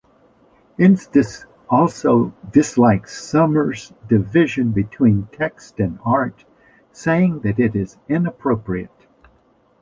Enstice also dislikes Sommer's division between text and art, saying that it is "inappropriate".